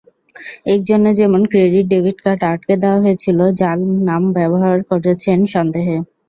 একজনের যেমন credit-debit card আটকে দেওয়া হয়েছিল জাল নাম ব্যবহার করছেন সন্দেহে।